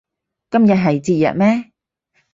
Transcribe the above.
今日係節日咩